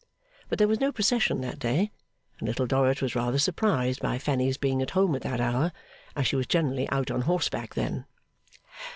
But there was no procession that day, and Little Dorrit was rather surprised by Fanny's being at home at that hour, as she was generally out on horseback then.